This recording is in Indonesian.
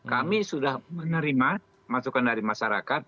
kami sudah menerima masukan dari masyarakat